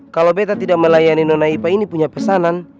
kalau betta tidak melayani nona ipa ini punya pesanan